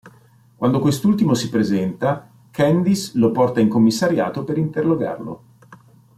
Quando quest'ultimo si presenta, Candice lo porta in commissariato per interrogarlo.